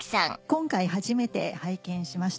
今回初めて拝見しました。